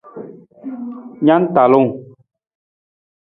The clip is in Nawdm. Na na talung.